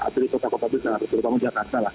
atau di kota kota besar terutama jakarta